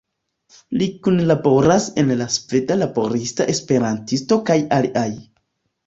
Li kunlaboras al Sveda Laborista Esperantisto kaj aliaj.